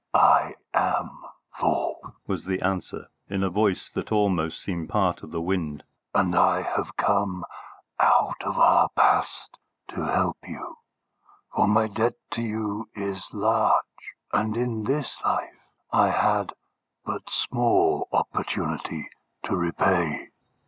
"I am Thorpe," was the answer in a voice that almost seemed part of the wind. "And I have come out of our far past to help you, for my debt to you is large, and in this life I had but small opportunity to repay."